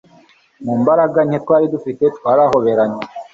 mu mbaraga nke twari dufite twarahoberanye